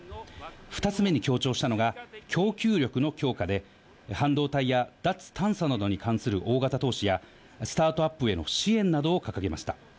２つ目に強調したのが、供給力の教化で、半導体や脱炭素などに関する大型投資や、スタートアップへの支援などを掲げました。